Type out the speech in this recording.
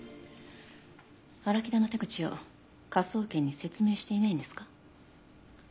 荒木田の手口を科捜研に説明していないんですか？